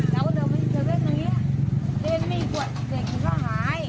แล้วเดิมไปเครือยังไหนเตรียมไม่กวดเสร็จเหมือนกล้องจักษ์หาย